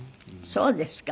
そうですか。